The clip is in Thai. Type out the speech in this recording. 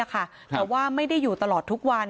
แต่ว่าไม่ได้อยู่ตลอดทุกวัน